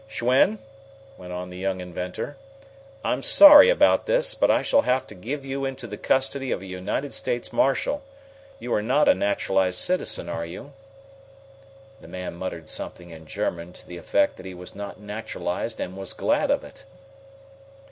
Schwen," went on the young inventor, "I'm sorry about this, but I shall have to give you into the custody of a United States marshal. You are not a naturalized citizen, are you?" The man muttered something in German to the effect that he was not naturalized and was glad of it.